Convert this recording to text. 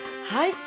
はい！